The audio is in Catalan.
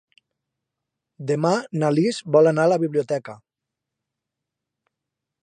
Demà na Lis vol anar a la biblioteca.